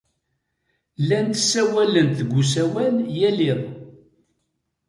Llant ssawalent deg usawal yal iḍ.